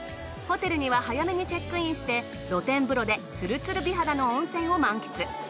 ホテルには早めにチェックインして露天風呂でつるつる美肌の温泉を満喫。